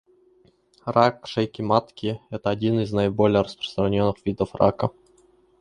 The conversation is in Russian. Рак шейки матки — это один из наиболее распространенных видов рака.